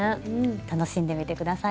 楽しんでみて下さい。